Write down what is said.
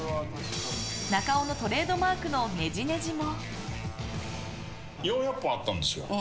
中尾のトレードマークのねじねじも。